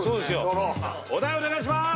取ろうお題お願いします